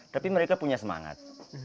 tapi mereka punya semangat